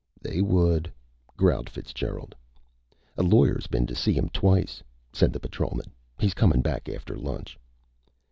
"They would," growled Fitzgerald. "A lawyer's been to see 'em twice," said the patrolman. "He's comin' back after lunch."